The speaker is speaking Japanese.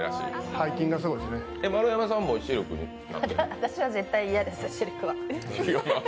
私は絶対嫌です。